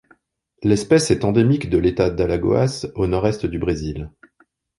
L'espèce est endémique de l'État d'Alagoas au nord-est du Brésil.